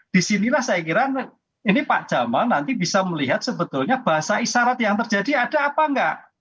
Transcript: disinilah saya kira ini pak jamal nanti bisa melihat sebetulnya bahasa isyarat yang terjadi ada apa enggak